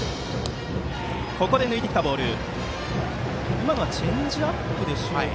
今のはチェンジアップでしたか？